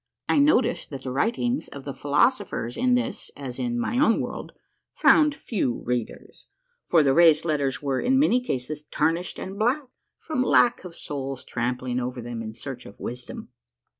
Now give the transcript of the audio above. I noticed that the writings of the philosophers in this, as in my own world, found few readers, for the raised letters were, in many cases, tarnished and black from lack of soles trampling over them in search of wisdom.